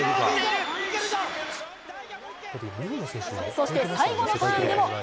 そして最後のターンでも。